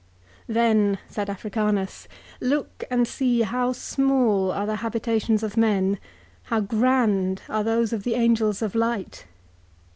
"'Then,' said Africanus, 'look and see how small are the habita tions of men, how grand are those of the angels of light.